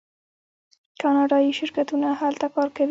کاناډایی شرکتونه هلته کار کوي.